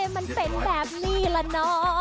มันเป็นแบบนี้ละเนาะ